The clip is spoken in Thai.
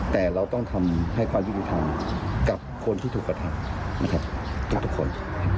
แต่เราต้องทำให้ความยุติธรรมกับคนที่ถูกกระทำนะครับทุกคน